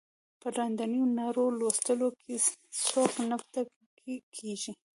په لاندنیو نارو لوستلو کې څوک نه ټکنی کیږي.